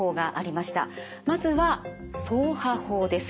まずは掻爬法です。